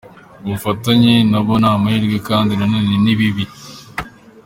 Ubufatanye nabo ni amahirwe kandi nanone ni bibi.